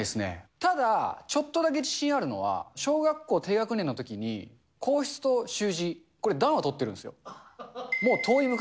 ただ、ちょっとだけ自信あるのは、小学校低学年のときに、硬筆と習字、これ、段を取ってるんですよ。